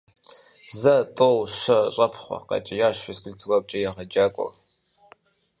Зэ, тӏэу, щэ, щӏэпхъуэ! - къэкӏиящ физкультурэмкӏэ егъэджакӏуэр.